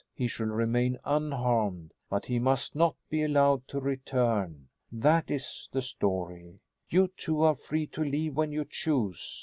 He shall remain unharmed, but he must not be allowed to return. That is the story. You two are free to leave when you choose.